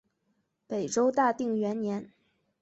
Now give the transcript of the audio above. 北周大定元年。